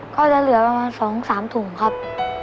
ก็จะเหลือประมาณสองสามถุงครับ